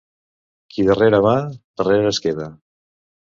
Qui darrere va, darrere es queda.